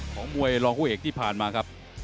ของมวยรองผู้เอกที่ผ่านมาครับ